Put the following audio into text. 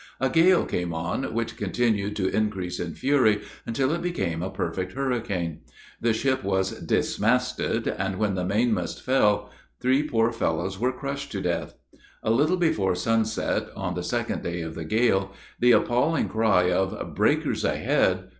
A gale came on, which continued to increase in fury, until it became a perfect hurricane. The ship was dismasted, and when the mainmast fell, three poor fellows were crushed to death. A little before sunset, on the second day of the gale, the appalling cry of "Breakers ahead!"